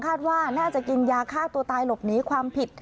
ว่าน่าจะกินยาฆ่าตัวตายหลบหนีความผิด